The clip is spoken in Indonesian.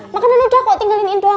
makanan udah kok tinggalinin doang